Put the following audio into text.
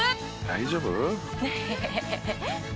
「大丈夫？」